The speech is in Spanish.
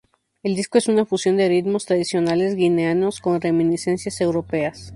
El disco es una fusión de ritmos tradicionales guineanos con reminiscencias europeas.